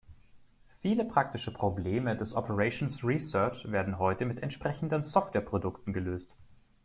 Viele praktische Probleme des Operations Research werden heute mit entsprechenden Softwareprodukten gelöst.